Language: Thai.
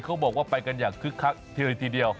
เขาบอกว่าไปกันอย่างคึกคักทีเลยทีเดียว